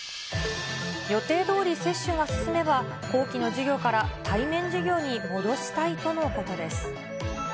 予定どおり接種が進めば、後期の授業から対面授業に戻したいとのことです。